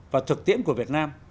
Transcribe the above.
và thực tiễn của việt nam